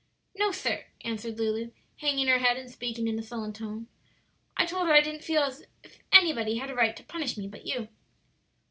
"No, sir," answered Lulu, hanging her head and speaking in a sullen tone. "I told her I didn't feel as if anybody had any right to punish me but you."